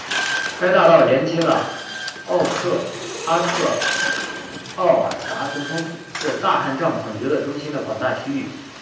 该大道连接了阿克奥尔达总统府至大汗帐篷娱乐中心的广大区域。